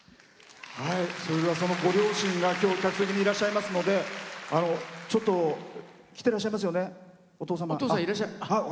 そのご両親が客席にいらっしゃいますのでちょっと来てらっしゃいますよねお父様。